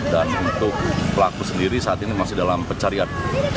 dan untuk pelaku sendiri saat ini masih dalam pencarian